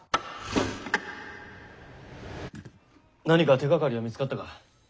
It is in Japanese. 何か手がかりは見つかったか。